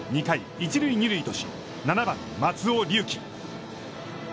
一塁二塁とし、７番松尾龍樹。